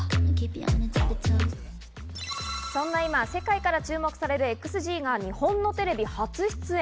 そんな今、世界から注目されるＸＧが日本のテレビ初出演。